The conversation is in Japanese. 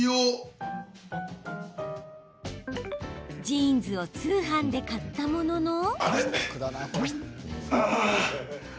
ジーンズを通販で買ったものの。